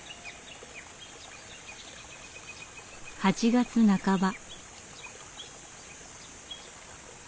８月半ば。